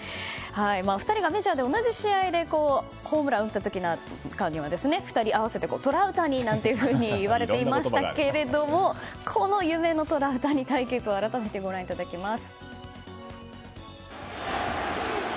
２人がメジャーで同じ試合でホームランを打った時なんかは２人合わせてトラウタニと言われてましたがこの夢のトラウタニ対決を改めてご覧いただきます。